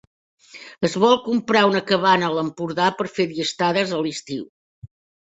Es vol comprar una cabana a l'Empordà per fer-hi estades a l'estiu.